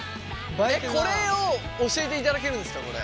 これを教えていただけるんですかこれ。